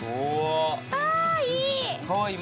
あいい！